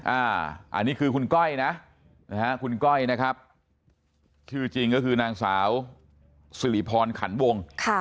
อันนี้คือคุณก้อยนะคุณก้อยนะครับชื่อจริงก็คือนางสาวสิริพรขันวง